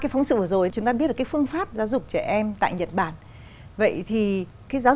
qua phóng sự vừa rồi chúng ta biết được phương pháp giáo dục trẻ em tại nhật bản vậy thì giáo